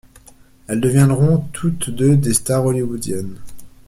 Elles deviendront toutes deux des stars hollywoodiennes.